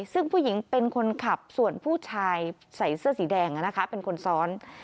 ซึ่งผู้หญิงเป็นคนขับส่วนผู้ชายใส่เสื้อสีแดงเป็นคนซ้อน